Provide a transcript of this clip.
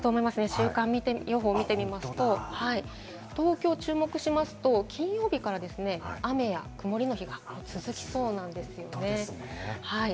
週間予報を見てみますと、東京を注目しますと、金曜日から雨や曇りの日が続きそうなんですよね。